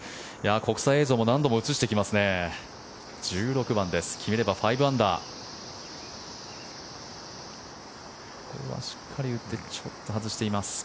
国際映像も何度も映してきますね。